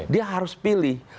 dia harus pilih